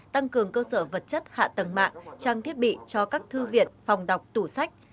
tăng cường cơ sở vật chất hạ tầng mạng trang thiết bị cho các thư viện phòng đọc tủ sách